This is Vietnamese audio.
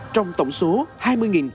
trong tổng số hai mươi cán bộ chiến sĩ